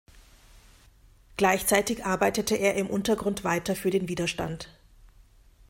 Gleichzeitig arbeitete er im Untergrund weiter für den Widerstand.